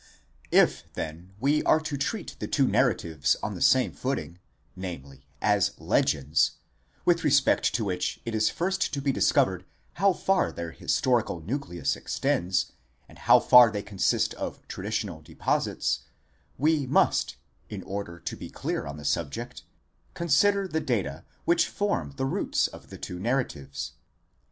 | If then we are to treat the two narratives on the same footing, namely as legends, with respect to which it is first to be discovered how far their his torical nucleus extends, and how far they consist of traditional deposits ; we must, in order to be clear on the subject, consider the data which form the roots of the two narratives.